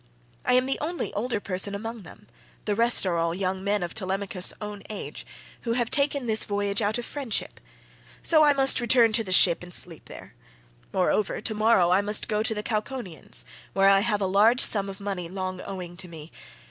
I am the only older person among them; the rest are all young men of Telemachus' own age, who have taken this voyage out of friendship; so I must return to the ship and sleep there. Moreover to morrow I must go to the Cauconians where I have a large sum of money long owing to me.